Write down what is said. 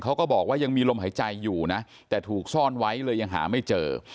เขาก็บอกว่ายังมีลมหายใจอยู่นะแต่ถูกซ่อนไว้เลยยังหาไม่เจอ